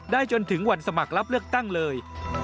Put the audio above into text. จนถึงวันสมัครรับเลือกตั้งเลย